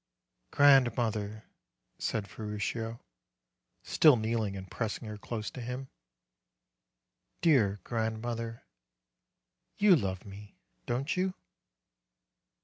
"Grandmother," said Ferruccio, still kneeling, and pressing her close to him, "dear grandmother, you love me, don't you?"